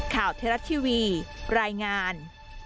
ข่าวเทราะทีวีรายงาน